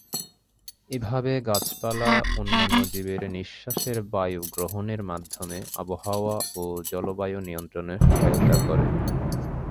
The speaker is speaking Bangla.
এভাবে গাছপালা অন্যান্য জীবের নিঃশ্বাসের বায়ু গ্রহণের মাধ্যমে আবহাওয়া ও জলবায়ু নিয়ন্ত্রণে সহায়তা করে।